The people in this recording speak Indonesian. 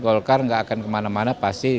golkar gak akan kemana mana pasti